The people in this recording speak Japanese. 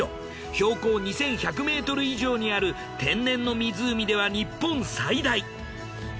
標高２，１００ｍ以上にある天然の湖では日本最大！